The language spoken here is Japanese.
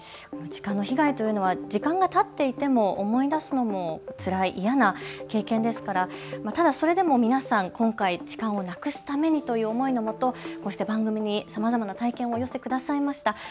痴漢の被害というのは時間がたっていても思い出すのもつらい、嫌な経験ですからただそれでも皆さん、今回痴漢をなくすためにという思いのもとこうした番組にさまざまな体験をお寄せくださいました。